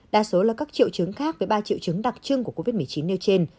đa số là các triệu chứng khác với ba triệu chứng đặc trưng của covid một mươi chín nêu trên